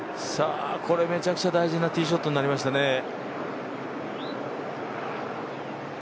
これ、めちゃくちゃ大事なティーショットになりましたね。